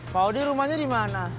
pak audi rumahnya di mana